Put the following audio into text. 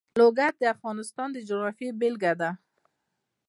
لوگر د افغانستان د جغرافیې بېلګه ده.